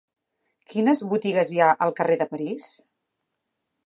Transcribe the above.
Quines botigues hi ha al carrer de París?